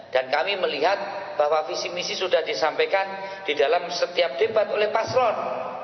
dan kami melihat bahwa visi visi sudah disampaikan di dalam setiap debat oleh paslon